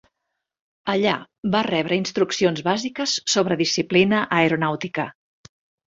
Allà va rebre instruccions bàsiques sobre disciplina aeronàutica.